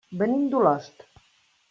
Venim d'Olost.